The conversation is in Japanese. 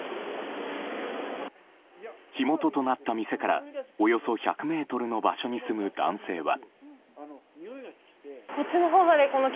火元となった店からおよそ１００ｍの場所に住む男性は。